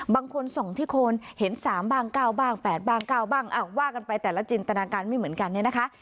บางคนส่องที่โคนเห็นสามบ้างเก้าบ้างแปดบ้างเก้าบ้างอ้าวว่ากันไปแต่ละจินตนาการไม่เหมือนกันเนี้ยนะคะ